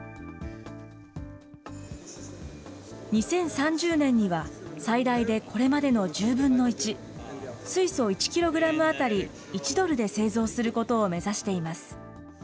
２０３０年には最大でこれまでの１０分の１、水素１キログラム当たり１ドルで製造することを目指しています。